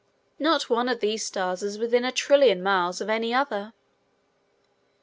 Not one of these stars is within a trillion miles of any other.